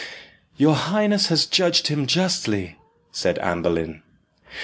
"Your highness has judged him justly," said Anne Boleyn.